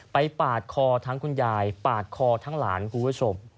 ปาดคอทั้งคุณยายปาดคอทั้งหลานคุณผู้ชม